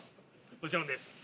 もちろんです。